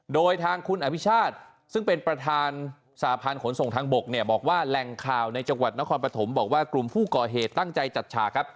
โดยทางคุณอภิชาติซึ่งเป็นประธานสาพันธ์ขนส่งทางบกเนี่ยบอกว่าแหล่งข่าวในจังหวัดนครปฐมบอกว่ากลุ่มผู้ก่อเหตุตั้งใจจัดฉากครับ